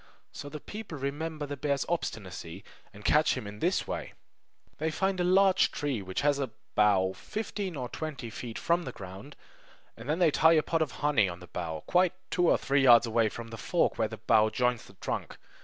So the people remember the bear's obstinacy, and catch him in this way: They find a large tree which has a bough fifteen or twenty feet from the ground; then they tie a pot of honey on the bough, quite two or three yards away from the fork where the bough joins the trunk.